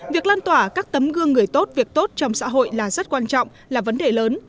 việc lan tỏa các tấm gương người tốt việc tốt trong xã hội là rất quan trọng là vấn đề lớn